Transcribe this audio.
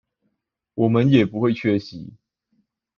我們也不會缺席